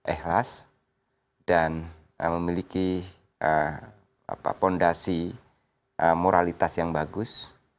ikhlas dan memiliki fondasi moralitas yang bagus